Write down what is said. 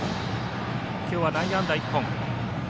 今日は内野安打１本。